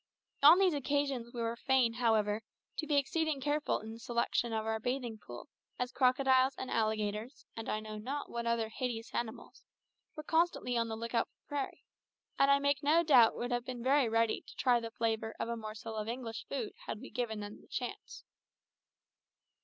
On these occasions we were fain, however, to be exceeding careful in the selection of our bathing pool, as crocodiles and alligators, and I know not what other hideous animals, were constantly on the lookout for prey, and I make no doubt would have been very ready to try the flavour of a morsel of English food had we given them the chance.